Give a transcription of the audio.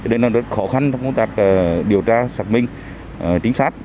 nên rất khó khăn trong công tác điều tra xác minh chính xác